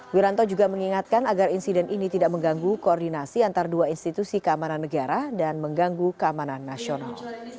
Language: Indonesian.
wiranto juga mengingatkan agar insiden ini tidak mengganggu koordinasi antara dua institusi keamanan negara dan mengganggu keamanan nasional